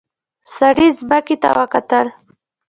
سړي ځمکې ته وکتل.